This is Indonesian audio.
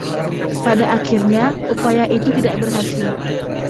Pada akhirnya, upaya itu tidak berhasil.